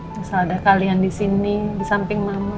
misalnya ada kalian di sini di samping mama